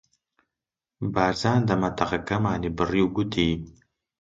بارزان دەمەتەقەکەمانی بڕی، گوتی: